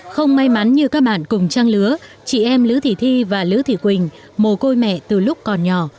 không may mắn như các bạn cùng trang lứa chị em lữ thị thi và lữ thị quỳnh mồ côi mẹ từ lúc còn nhỏ